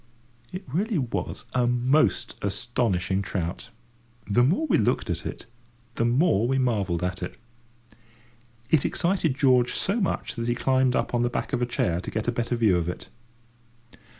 It really was a most astonishing trout. The more we looked at it, the more we marvelled at it. It excited George so much that he climbed up on the back of a chair to get a better view of it.